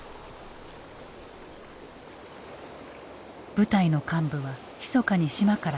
部隊の幹部はひそかに島から脱出。